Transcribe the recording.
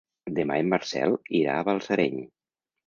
Demà en Marcel irà a Balsareny.